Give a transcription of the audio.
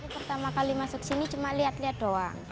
pertama kali masuk sini cuma lihat lihat doang